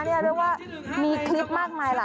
เรียกว่ามีคลิปมากมายล่ะ